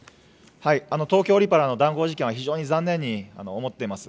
東京オリパラの談合事件は、非常に残念に思ってます。